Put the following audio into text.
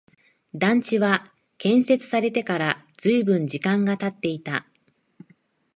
団地は建設されてから随分時間が経っていた